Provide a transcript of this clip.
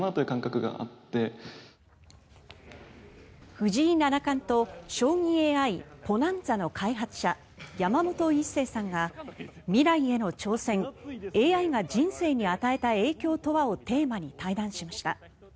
藤井七冠と将棋ＡＩ、Ｐｏｎａｎｚａの開発者、山本一成さんが「未来への挑戦、ＡＩが人生に与えた影響とは」をテーマに対談しました。